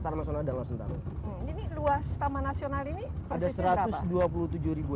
taman nasional dan luas taman nasional ini ada satu ratus dua puluh tujuh hektare